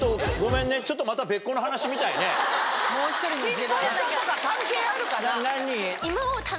心配性とか関係あるかな？